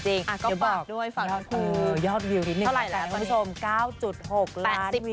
เดี๋ยวก็บอกด้วยฝากน้องภูมิยอดวิวนิดนึงค่ะทุกคนค่ะคุณผู้ชม๙๖ล้านวิว